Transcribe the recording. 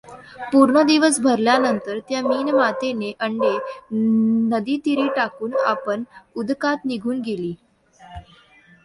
पूर्ण दिवस भरल्यानंतर त्या मिनमातेने अंडे नदीतीरी टाकून आपण उदकात निघून गेली.